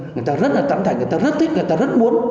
người ta rất là tẩm thảnh người ta rất thích người ta rất muốn